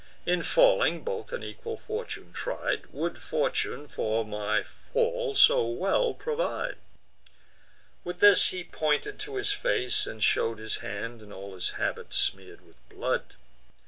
In falling, both an equal fortune tried; Would fortune for my fall so well provide!" With this he pointed to his face, and show'd His hand and all his habit smear'd with blood.